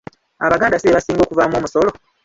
“Abaganda si bebasinga okuvaamu omusolo?